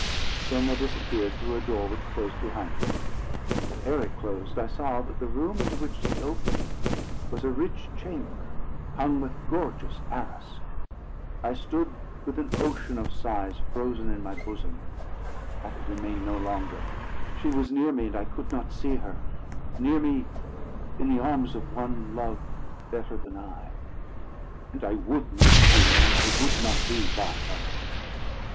Then they disappeared through a door which closed behind them; but, ere it closed, I saw that the room into which it opened was a rich chamber, hung with gorgeous arras. I stood with an ocean of sighs frozen in my bosom. I could remain no longer. She was near me, and I could not see her; near me in the arms of one loved better than I, and I would not see her, and I would not be by her.